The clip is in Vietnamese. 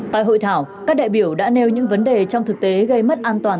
tại hội thảo các đại biểu đã nêu những vấn đề trong thực tế gây mất an toàn